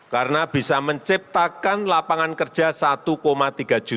karena bisa menciptakan lapangan kerja satu